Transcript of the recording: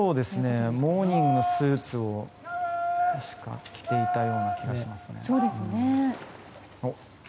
モーニングのスーツを着ていたような気がしますね。